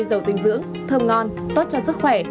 dâu dinh dưỡng thơm ngon tốt cho sức khỏe